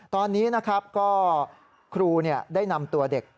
ตอนนี้นะครับก็ครูได้นำตัวเด็ก